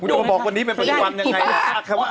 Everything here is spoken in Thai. มั่นมาบอกวันนี้เป็นปริการยังไง